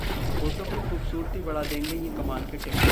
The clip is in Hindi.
होठों की खूबसूरती बढ़ा देंगे ये कमाल के टिप्स